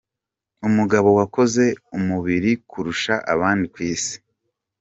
Umugabo wakoze umubiri kurusha abandi ku isi.